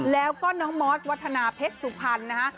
แล้วก็น้องมอสวัฒนาเพชรสุพรรณนะฮะ